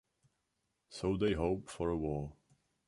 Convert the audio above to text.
So they hope for a war.